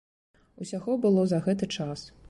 Усяго было за гэты час.